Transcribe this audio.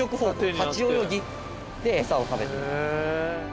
立ち泳ぎで餌を食べてる。